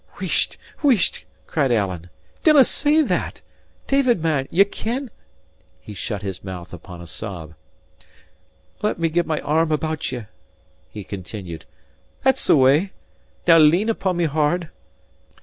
"Wheesht, wheesht!" cried Alan. "Dinna say that! David man, ye ken " He shut his mouth upon a sob. "Let me get my arm about ye," he continued; "that's the way! Now lean upon me hard.